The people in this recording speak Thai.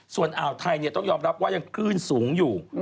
ส่วนอ่าวไทยต้องยอมรับว่ายังคลื่นสูงอยู่